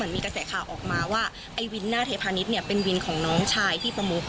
มีกระแสข่าวออกมาว่าไอ้วินหน้าเทพาณิชย์เนี่ยเป็นวินของน้องชายที่ประมุก